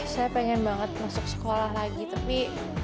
saya pengen banget masuk sekolah lagi tapi